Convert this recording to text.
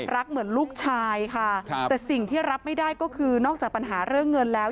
แต่สิ่งที่รับไม่ได้ก็คือนอกจากปัญหาเรื่องเงินแล้ว